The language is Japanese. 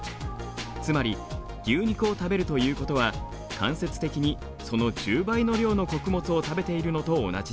つまり牛肉を食べるということは間接的にその１０倍の量の穀物を食べているのと同じです。